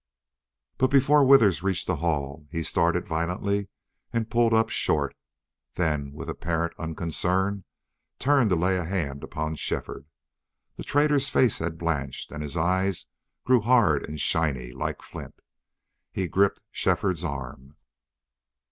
But before Withers reached the hall he started violently and pulled up short, then, with apparent unconcern, turned to lay a hand upon Shefford. The trader's face had blanched and his eyes grew hard and shiny, like flint. He gripped Shefford's arm.